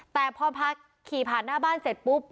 แต่พอพาขี่ผ่านหน้าบ้านเสร็จปุ๊บ